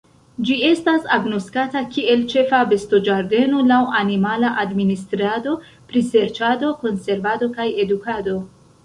Ĝi estas agnoskata kiel ĉefa bestoĝardeno laŭ animala administrado, priserĉado, konservado, kaj edukado.